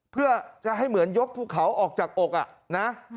เพื่อจะให้เหมือนยกภูเขาออกจากอกนะ